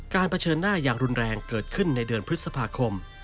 เผชิญหน้าอย่างรุนแรงเกิดขึ้นในเดือนพฤษภาคม